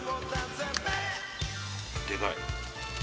でかい。